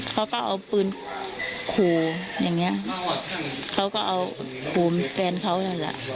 เขาก็เอาปืนขู่อย่างเงี้ยเขาก็เอาขู่แฟนเขานั่นแหละ